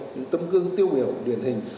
những tấm cương tiêu biểu điển hình